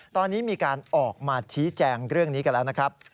ตอนนี้มีการออกมาชี้แจงเรื่องนี้กันแล้วนะครับ